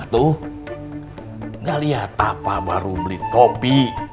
tuh gak lihat apa baru beli kopi